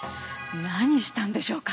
何したんでしょうか。